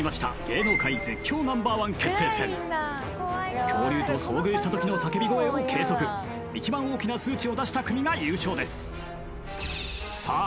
芸能界絶叫Ｎｏ．１決定戦恐竜と遭遇した時の叫び声を計測一番大きな数値を出した組が優勝ですさあ